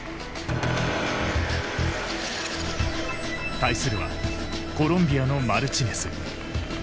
対するはコロンビアのマルチネス。